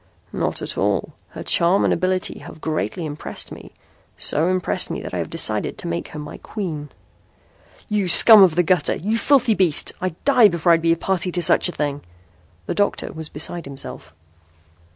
"Not at all. Her charm and ability have greatly impressed me so impressed me that I have decided to make her my queen." "You scum of the gutter. You filthy beast. I'd die before I'd be a party to such a thing!" The doctor was beside himself.